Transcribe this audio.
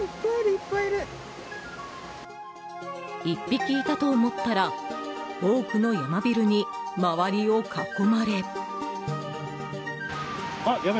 １匹いたと思ったら多くのヤマビルに周りを囲まれ。